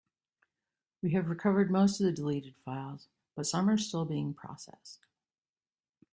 We have recovered most of the deleted files, but some are still being processed.